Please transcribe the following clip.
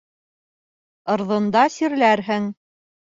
Ырҙында сирләрһең.